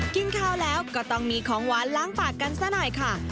กินข้าวแล้วก็ต้องมีของหวานล้างปากกันซะหน่อยค่ะ